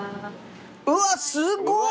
うわすごい！